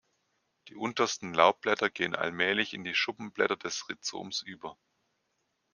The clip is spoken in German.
Die untersten Laubblätter gehen allmählich in die Schuppenblätter des Rhizoms über.